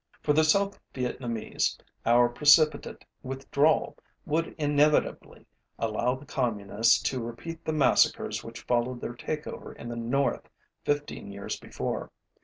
For the South Vietnamese, our precipitate withdrawal would inevitably allow the Communists to repeat the massacres which followed their takeover in the North 15 years before.